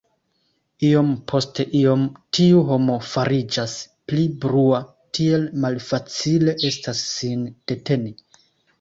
Iom post iom tiu homo fariĝas pli brua; tiel malfacile estas sin deteni!